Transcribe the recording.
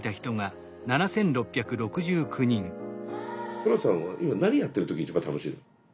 トラさんは今何やってる時一番楽しいの？